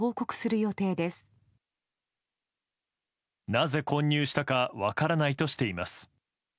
なぜ混入したか分からないとしています。